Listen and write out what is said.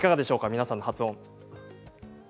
皆さんの発音。